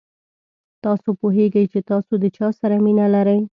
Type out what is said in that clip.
تاسو پوهېږئ چې تاسو د چا سره مینه لرئ.